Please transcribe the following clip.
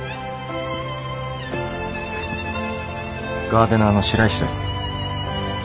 ガーデナーの白石です。